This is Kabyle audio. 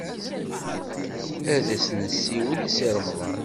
Ad as-nessiwel i Si Remḍan.